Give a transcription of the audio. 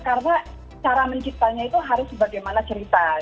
karena cara menciptanya itu harus bagaimana cerita